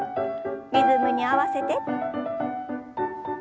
リズムに合わせて。